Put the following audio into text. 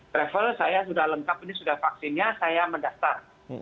travel saya sudah lengkap ini sudah vaksinnya saya mendaftar